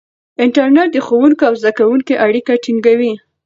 انټرنیټ د ښوونکي او زده کوونکي اړیکه ټینګوي.